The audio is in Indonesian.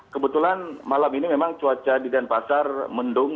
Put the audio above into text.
kebetulan malam ini memang cuaca di denpasar mendung